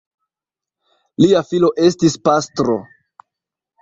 Lia filo estis pastro.